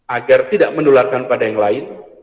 agar tidak menularkan pada yang lain